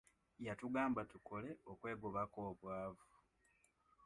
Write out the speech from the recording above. Yatugamba tukole okwegobako obwavu.